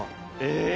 え！